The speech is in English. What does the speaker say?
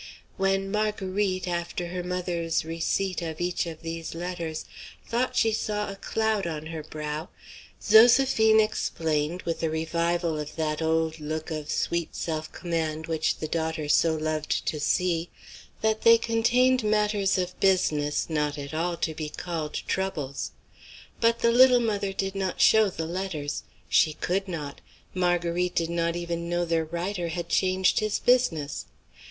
When Marguerite, after her mother's receipt of each of these letters, thought she saw a cloud on her brow, Zoséphine explained, with a revival of that old look of sweet self command which the daughter so loved to see, that they contained matters of business not at all to be called troubles. But the little mother did not show the letters. She could not; Marguerite did not even know their writer had changed his business.